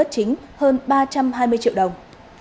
chính hơn ba trăm hai mươi triệu đồng